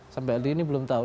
sampai hari ini belum tahu